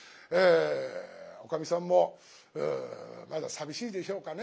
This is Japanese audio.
おかみさんもまだ寂しいでしょうかね。